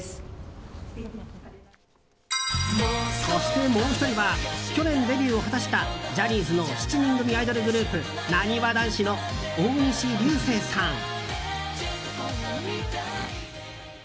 そして、もう１人は去年デビューを果たしたジャニーズの７人組アイドルグループなにわ男子の大西流星さん。